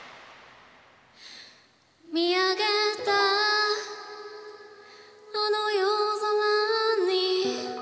「見上げたあの夜空に」